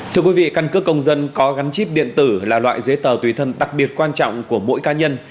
thưa quý vị căn cước công dân có gắn chip điện tử là loại giấy tờ tùy thân đặc biệt quan trọng của mỗi cá nhân